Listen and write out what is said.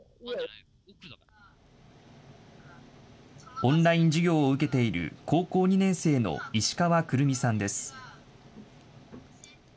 オンライン授業を受けている高校２年生の石川来未さんです。